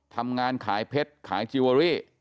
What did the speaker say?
ทำงานขายเพชรขายจิเวอรี่